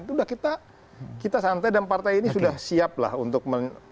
itu udah kita santai dan partai ini sudah siap lah untuk